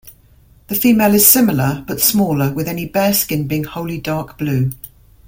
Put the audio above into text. The female is similar but smaller with any bare skin being wholly dark blue.